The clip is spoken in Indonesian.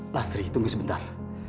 lastri tunggu sebentar